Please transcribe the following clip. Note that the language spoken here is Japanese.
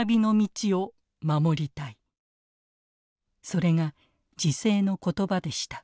それが辞世の言葉でした。